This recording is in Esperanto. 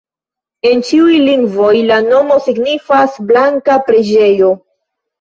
En ĉiuj lingvoj la nomo signifas: blanka preĝejo.